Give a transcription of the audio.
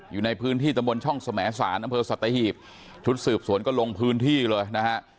อยู่ในพื้นที่ตำบลช่องสมสารอำเภอสัตหีบชุดสืบสวนก็ลงพื้นที่เลยนะฮะ